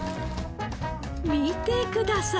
見てください